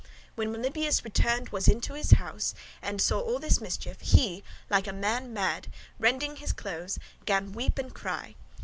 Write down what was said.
When Melibœus returned was into his house, and saw all this mischief, he, like a man mad, rending his clothes, gan weep and cry.